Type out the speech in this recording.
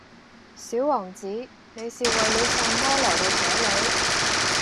小王子，你是為了什麼來到這裏？